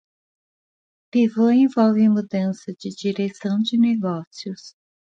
Pivot envolve mudança de direção de negócios.